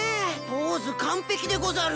ポーズ完璧でござる！